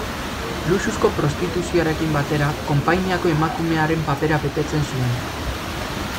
Luxuzko prostituzioarekin batera konpainiako emakumearen papera betetzen zuen.